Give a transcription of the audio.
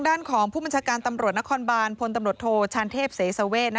ด้านของผู้บัญชาการตำรวจนครบานพลตำรวจโทชานเทพเสสเวท